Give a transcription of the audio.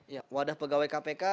ya wadah pegawai kpk